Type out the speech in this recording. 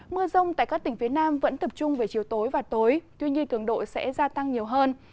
mưa rông tại các tỉnh phía nam vẫn tập trung về chiều tối và tối tuy nhiên cường độ sẽ gia tăng nhiều hơn